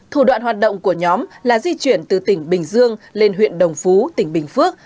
thủ đoạn hoạt động của nhóm là di chuyển từ tỉnh bình dương lên huyện đồng phú tỉnh bình phước